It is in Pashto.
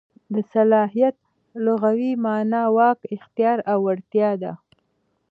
د صلاحیت لغوي مانا واک، اختیار او وړتیا ده.